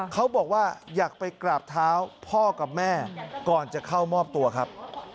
เขาบอกว่าอยากไปกราบเท้าพ่อกับแม่ก่อนจะเข้ามอบตัวครับ